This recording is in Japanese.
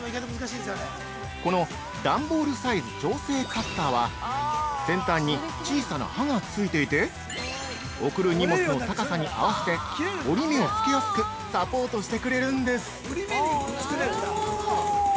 この段ボールサイズ調整カッターは先端に小さな刃がついていて送る荷物の高さに合わせて折り目をつけやすくサポートしてくれるんです。